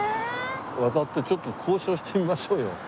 渡ってちょっと交渉してみましょうよ。